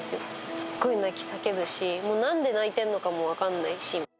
すっごい泣き叫ぶし、もうなんで泣いてんのかも分かんないし。